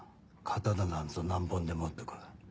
刀なんぞ何本でも折って来い。